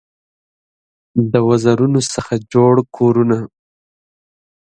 د وزرونو څخه جوړ کورونه